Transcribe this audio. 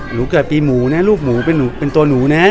หนูเกิดปีหมูนะลูกหมูเป็นตัวหนูนะ